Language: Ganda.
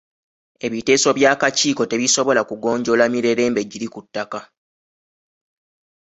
Ebiteeso by'akakiiko tebisobola kugonjoola mirerembe giri ku ttaka.